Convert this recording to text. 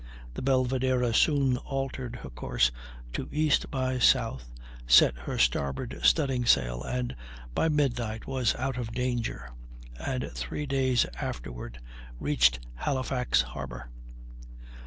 The Belvidera soon altered her course to east by south, set her starboard studding sails, and by midnight was out of danger; and three days afterward reached Halifax harbor.